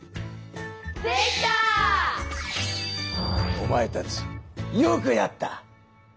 おまえたちよくやった！